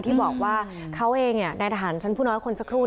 ที่บอกว่าเขาเองในทหารชั้นผู้น้อยคนสักครู่